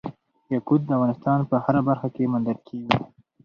یاقوت د افغانستان په هره برخه کې موندل کېږي.